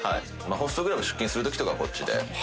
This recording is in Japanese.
ホストクラブ出勤する時とかはこっちで。